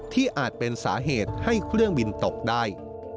อาจเป็นสาเหตุให้เครื่องบินตกได้